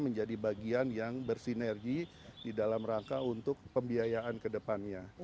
menjadi bagian yang bersinergi di dalam rangka untuk pembiayaan kedepannya